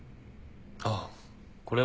あっこれは。